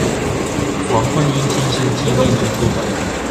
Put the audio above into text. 王貫英先生紀念圖書館